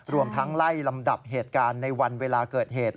รวมทั้งไล่ลำดับเหตุการณ์ในวันเวลาเกิดเหตุ